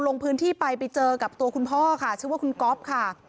ลงพื้นที่ไปไปเจอกับตัวคุณพ่อค่ะชื่อว่าคุณก๊อฟค่ะ